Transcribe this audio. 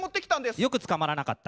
よく捕まらなかったね。